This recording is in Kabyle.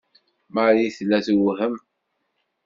Marie tella tewhem.